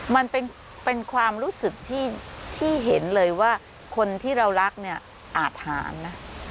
มันเป็นความรู้สึกที่เห็นเลยว่าคนที่เรารักเนี่ยอาทหารนะ